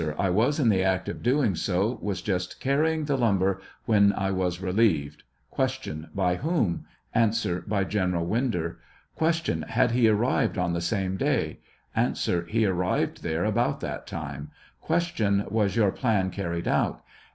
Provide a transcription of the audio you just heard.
I was in the act of doing so, was j ust carrying the lumber, when I was relieved. Q. By whom ? A. By General Winder. Q. Had he arrived on the same day ? A. He 'arrived there about that time. Q. Was your plan carried out?